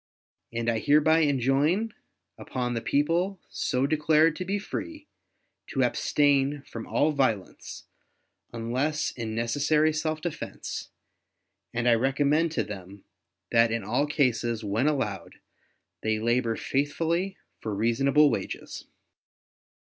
And I hereby enjoin upon the people so declared to be free, to abstain from all violence, unless in necessary self defense; and I recommend to them that in all cases, when allowed, they labor faithfully for reasonable wages.